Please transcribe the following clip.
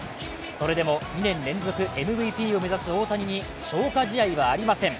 それでも２年連続ＭＶＰを目指す大谷に消化試合はありません。